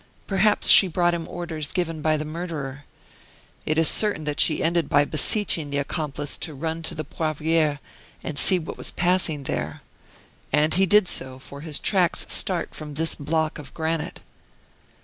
Perhaps she brought him orders given by the murderer. It is certain that she ended by beseeching the accomplice to run to the Poivriere and see what was passing there. And he did so, for his tracks start from this block of granite."